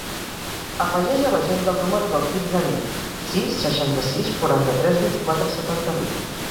Afegeix a l'agenda el número del Quirze Ni: sis, seixanta-sis, quaranta-tres, vint-i-quatre, setanta-vuit.